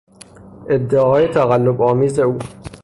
ادعاهای تقلبآمیز او